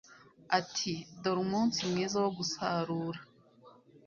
ati: "dore Umunsi mwiza wo gusarura"